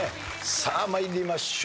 さあ参りましょう。